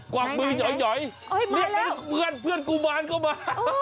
กว้างมือหย่อยเรียกเพื่อนกุมารเข้ามา